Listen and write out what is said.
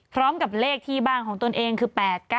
พร้อมกับเลขที่บ้านของตนเองคือ๘๙